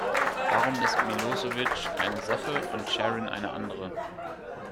Warum ist Milosevic eine Sache und Sharon eine andere?